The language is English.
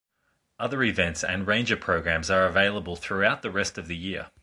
Other events and ranger programs are available throughout the rest of the year.